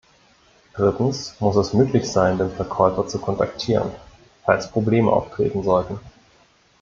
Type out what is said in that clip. Drittens muss es möglich sein, den Verkäufer zu kontaktieren, falls Probleme auftreten sollten.